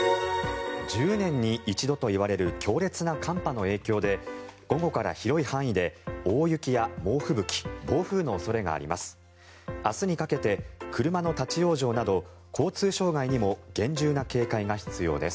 １０年に一度といわれる強烈な寒波の影響で午後から広い範囲で大雪や猛吹雪暴風の恐れがあります。